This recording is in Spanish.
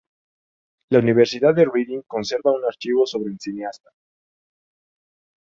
La Universidad de Reading conserva un archivo sobre el cineasta.